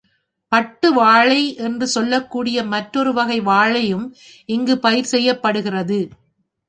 பட்டு வாழை என்று சொல்லக் கூடிய மற்றாெரு வகை வாழையும் இங்குப் பயிர் செய்யப்படுகிறது.